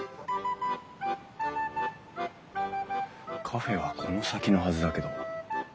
カフェはこの先のはずだけど。